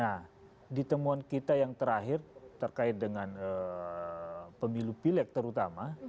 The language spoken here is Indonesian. nah di temuan kita yang terakhir terkait dengan pemilu pilek terutama